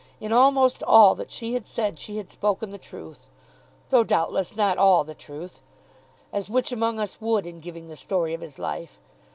In almost all that she had said she had spoken the truth, though doubtless not all the truth, as which among us would in giving the story of his life?